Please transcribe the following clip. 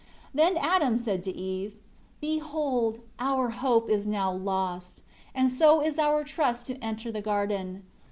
9 Then Adam said to Eve, "Behold, our hope is now lost; and so is our trust to enter the garden.